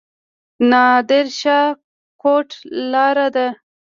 نادر شاه کوټ لاره ده؟